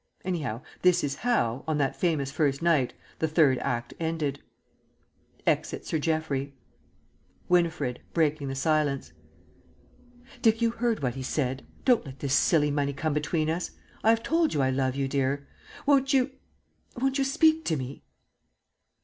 Anyhow, this is how, on that famous first night, the Third Act ended: Exit Sir Geoffrey. Winifred (breaking the silence). Dick, you heard what he said. Don't let this silly money come between us. I have told you I love you, dear. Won't you won't you speak to me?